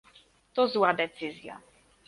To zła decyzja